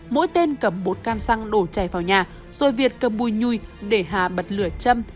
mỗi tên cầm một can xăng đổ chày vào nhà rồi việt cầm bùi nhui để hà bật lửa châm